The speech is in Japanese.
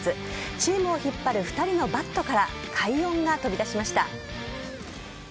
チームを引っ張る２人のバットから快音が飛び出しました。